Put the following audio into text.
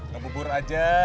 temu pur aja